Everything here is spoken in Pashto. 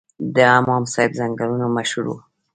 د امام صاحب ځنګلونه مشهور وو